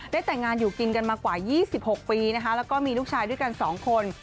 แต่งงานอยู่กินกันมากว่า๒๖ปีนะคะแล้วก็มีลูกชายด้วยกัน๒คน